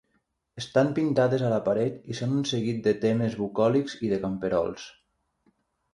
Estan pintades a la paret i són un seguit de temes bucòlics i de camperols.